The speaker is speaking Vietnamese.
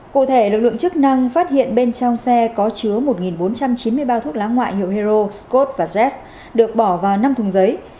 cụ thể lực lượng chức năng phát hiện bên trong xe có chứa một bốn trăm chín mươi bao thuốc lá ngoại hiệu hero scot và jet được bỏ vào năm thùng giấy